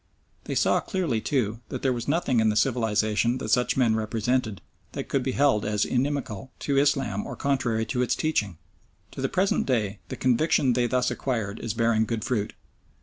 They saw clearly, too, that there was nothing in the civilisation that such men represented that could be held as inimical to Islam or contrary to its teaching. To the present day the conviction they thus acquired is bearing good fruit.